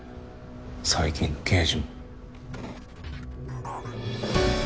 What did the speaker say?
最近の刑事も。